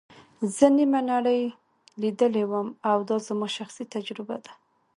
زه نیمه نړۍ لیدلې وم او دا زما شخصي تجربه ده.